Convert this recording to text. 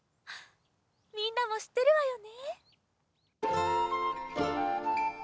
みんなもしってるわよね。